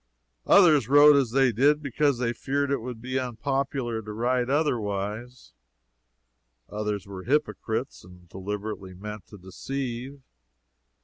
Others wrote as they did, because they feared it would be unpopular to write otherwise. Others were hypocrites and deliberately meant to deceive.